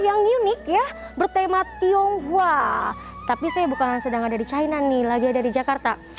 yang unik ya bertema tionghoa tapi saya bukan sedang ada di china nih lagi ada di jakarta